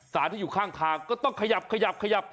สารที่อยู่ข้างทางก็ต้องขยับ